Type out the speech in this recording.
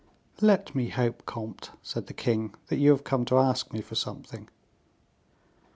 "Let me hope, comte," said the king, "that you have come to ask me for something."